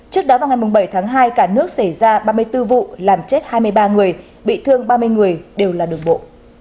trước đó vào ngày bảy tháng hai cả nước xảy ra ba mươi bốn vụ làm chết hai mươi ba người bị thương ba mươi người đều là đường bộ